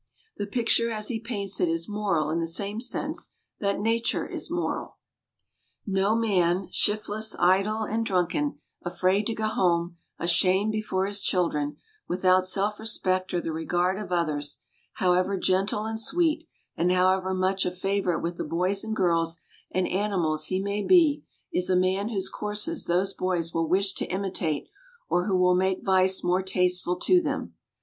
The picture as he paints it is moral in the same sense that nature is moral. No man, shiftless, idle, and drunken, afraid to go home, ashamed before his children, without self respect or the regard of others, however gentle and sweet, and however much a favorite with the boys and girls and animals he may be, is a man whose courses those boys will wish to imitate or who will make vice more tasteful to them.